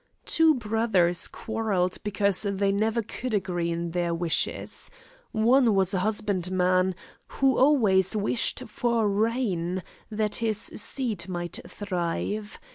Two brothers quarrelled because they never could agree in their wishes. One was a husbandman, who always wished for rain that his seed might thrive.